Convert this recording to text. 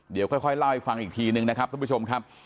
เดี๋ยวค่อยเล่าให้ฟังอีกทีนึงนะครับทุกผู้ชมครับ